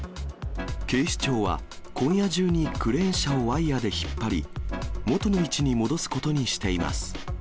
警視庁は、今夜中にクレーン車をワイヤーで引っ張り、元の位置に戻すことにしています。